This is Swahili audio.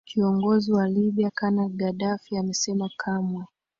kiongozi wa libya kanali gaddafi amesema kamwe